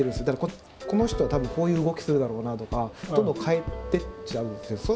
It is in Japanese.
だからこの人はたぶんこういう動きするだろうなとかどんどん変えてっちゃうんですよ。